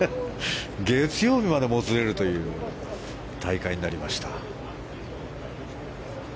月曜日までもつれるという大会になりました。